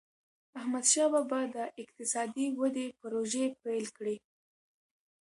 احمدشاه بابا به د اقتصادي ودي پروژي پیل کړي.